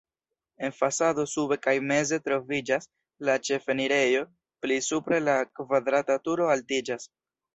En fasado sube kaj meze troviĝas la ĉefenirejo, pli supre la kvadrata turo altiĝas.